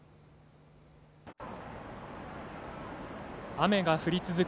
雨が降り続く